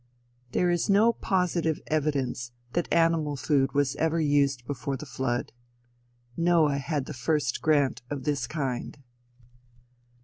There is no positive evidence that animal food was ever used before the flood. Noah had the first grant of this kind."